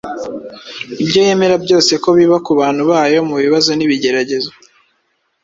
ibyo yemera byose ko biba ku bantu bayo mu bibazo n’ibigeragezo,